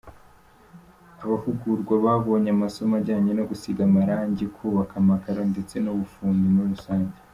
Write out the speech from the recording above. Abahugurwa babonye amasomo ajyanye no gusiga amarangi, kubaka amakaro ndetse n’ubufundi muri rusange.